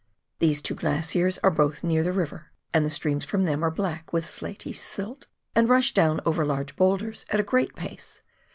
These two glaciers are botli near the river, and the streams from them are black with slaty silt, and rush down over large boulders, at a great pace.